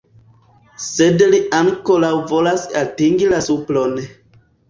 Sed li ankoraŭ volas atingi la supron.